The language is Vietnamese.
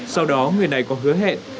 sau đó người này có hứa hẹn